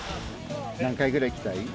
何回ぐらい来たい？